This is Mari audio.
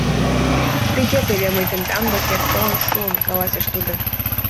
— Тыге теве мый тендан деке толын шуым, - каласыш тудо.